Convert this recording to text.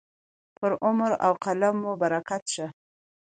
پر عمر او قلم مو برکت شه.